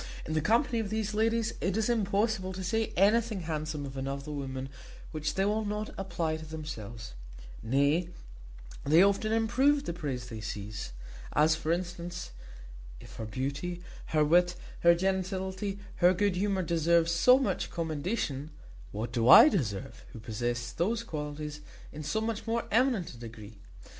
In the company of these ladies it is impossible to say anything handsome of another woman which they will not apply to themselves; nay, they often improve the praise they seize; as, for instance, if her beauty, her wit, her gentility, her good humour deserve so much commendation, what do I deserve, who possess those qualities in so much more eminent a degree?